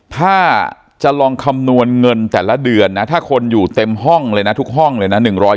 ถ้าจะลองคำนวณเงินแต่ละเดือนนะถ้าคนอยู่เต็มห้องเลยนะทุกห้องเลยนะ